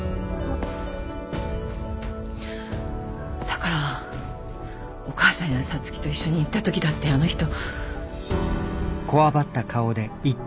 だからお母さんや皐月と一緒にいた時だってあの人。